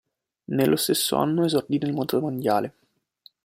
Nello stesso anno esordì nel Motomondiale.